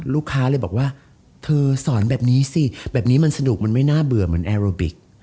ลูกค้าเลยบอกว่าเธอสอนแบบนี้สิแบบนี้มันสนุกมันไม่น่าเบื่อเหมือนแอร์โรบิก